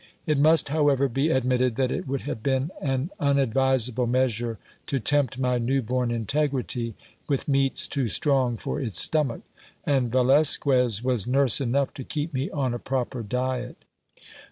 It must, however, be admitted, that it would have been an unadvisable measure to tempt my new bom integrity with meats too strong for its stomach : and Velasquez was nurse enough to keep me on a proper diet.